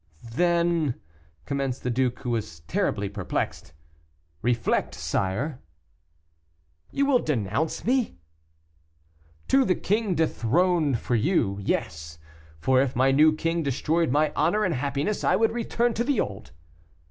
"Then " commenced the duke, who was terribly perplexed. "Reflect, sire." "You will denounce me?" "To the king dethroned for you, yes; for if my new king destroyed my honor and happiness, I would return to the old."